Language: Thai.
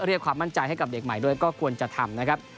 เรียกความมั่นใจให้กับเด็กใหม่ด้วยก็ควรจะทำนะครับ